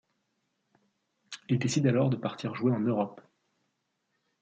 Il décide alors de partir jouer en Europe.